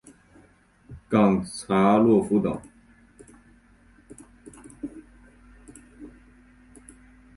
冈察洛夫等。